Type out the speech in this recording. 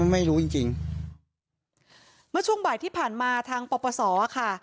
เมื่อช่วงบ่ายที่ผ่านมาทางประปศค่ะ